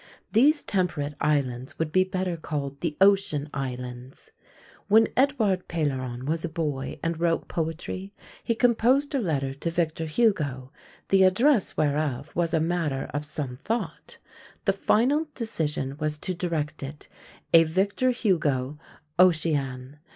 These temperate islands would be better called the Ocean Islands. When Edouard Pailleron was a boy and wrote poetry, he composed a letter to Victor Hugo, the address whereof was a matter of some thought. The final decision was to direct it, "A Victor Hugo, Ocean."